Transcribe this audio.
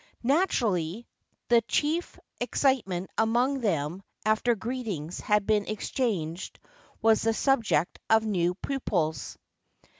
Naturally the chief excitement among them after greetings had been exchanged was the sub ject of new pupils.